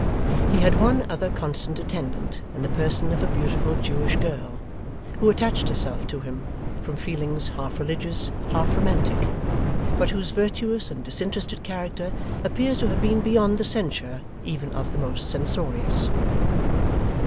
He had one other constant attendant, in the person of a beautiful Jewish girl; who attached herself to him from feelings half religious, half romantic, but whose virtuous and disinterested character appears to have been beyond the censure even of the most censorious.